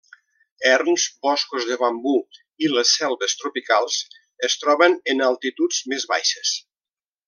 Erms, boscos de bambú i les selves tropicals es troben en altituds més baixes.